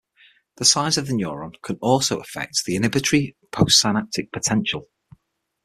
The size of the neuron can also affect the inhibitory postsynaptic potential.